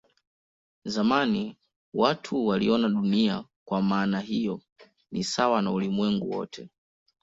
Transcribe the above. Zamani watu waliona Dunia kwa maana hiyo ni sawa na ulimwengu wote.